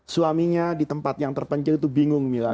suaminya di tempat yang terpencil itu bingung mila